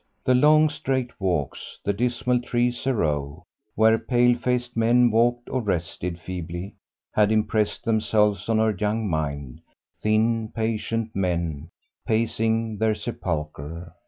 The long straight walks, the dismal trees arow, where pale faced men walked or rested feebly, had impressed themselves on her young mind thin, patient men, pacing their sepulchre.